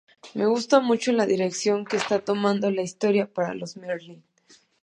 Me gusta mucho la dirección que está tomando la historia para los Merlyn.